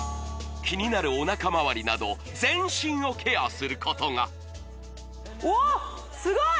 気になるおなかまわりなど全身をケアすることがおおすごい！